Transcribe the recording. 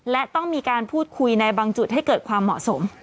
และต้องมีการพูดคุยในบางจุดให้เกิดความเหมาะสม